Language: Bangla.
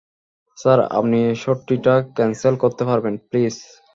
স্যার, আপনি সর্টিটা ক্যান্সেল করতে পারবেন, প্লিজ?